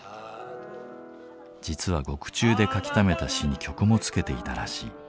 実は獄中で書きためた詩に曲もつけていたらしい。